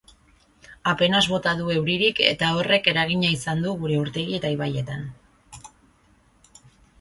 Apenas bota du euririk eta horrek eragina izan du gure urtegi eta ibaietan.